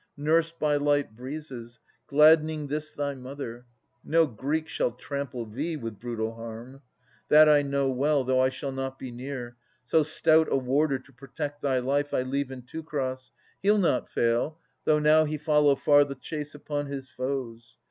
Nursed by light breezes, gladdening this thy mother. No Greek shall trample thee with brutal harm, That I know well, though I shall not be near — So stout a warder to protect thy life I leave in Teucer. He'll not fail, though now He follow far the chase upon his foes.